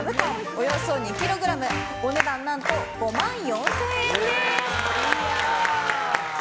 およそ２ｋｇお値段何と５万４０００円です。